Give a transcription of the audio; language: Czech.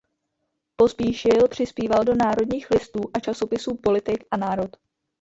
Pospíšil přispíval do "Národních listů" a časopisů "Politik" a "Národ".